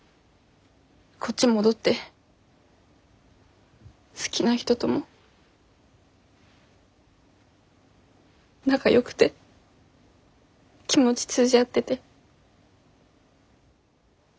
こっち戻って好きな人とも仲よくて気持ち通じ合ってて結婚も。